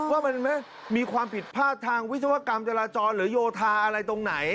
ว่ามันไม่มีความผิดพลาดทางวิศวกรรมจราจรหรือโยธาอะไรตรงไหน